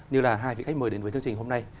như là hai vị khách mời đến với chương trình hôm nay